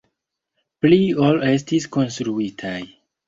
Pli ol estis konstruitaj.